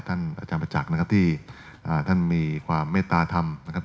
อาจารย์ประจักษ์นะครับที่ท่านมีความเมตตาธรรมนะครับ